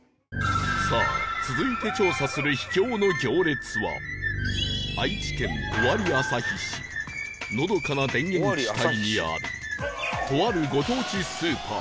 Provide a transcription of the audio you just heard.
さあ続いて調査する秘境の行列は愛知県尾張旭市のどかな田園地帯にあるとあるご当地スーパー